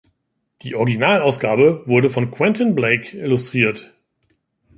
Die Originalausgabe wurde von Quentin Blake illustriert.